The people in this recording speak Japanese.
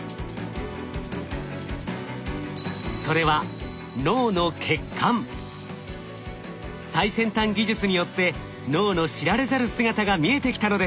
それは最先端技術によって脳の知られざる姿が見えてきたのです。